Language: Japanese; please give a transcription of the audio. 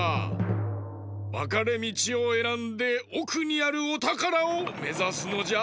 わかれみちをえらんでおくにあるおたからをめざすのじゃ。